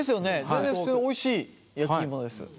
全然普通においしい焼き芋です。